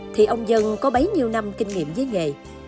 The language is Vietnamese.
thì ông dân có bấy nhiêu năm kinh nghiệm với nghề